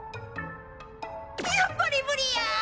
やっぱりむりや！